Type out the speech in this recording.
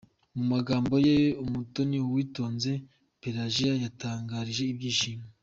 Mu magambo ye Umutoni Uwitonze Pelajiya yatangarije ibyishimo.